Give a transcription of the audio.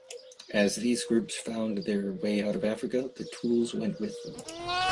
As these groups found their way out of Africa, the tools went with them.